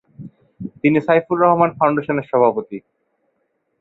তিনি সাইফুর রহমান ফাউন্ডেশনের সভাপতি।